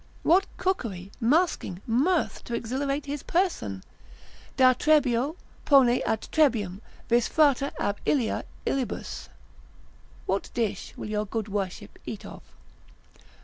What cookery, masking, mirth to exhilarate his person? Da Trebio, pone ad Trebium, vis frater ab illia Ilibus?——— What dish will your good worship eat of?